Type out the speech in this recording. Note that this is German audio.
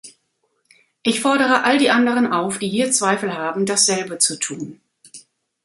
Ich fordere all die anderen auf, die hier Zweifel haben, dasselbe zu tun.